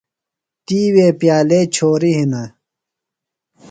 تی وے پِیالے چھوریۡ ہِنہ۔